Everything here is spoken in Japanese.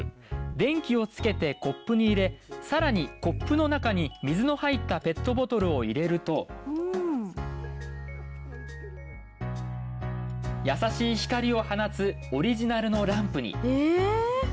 電気をつけてコップに入れ更にコップの中に水の入ったペットボトルを入れるとやさしい光を放つオリジナルのランプにえ！